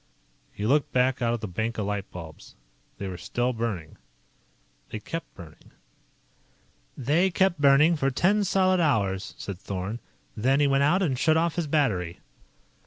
He looked back out at the bank of light bulbs. They were still burning. They kept burning "... They kept burning for ten solid hours," said Thorn. "Then he went out and shut off his battery."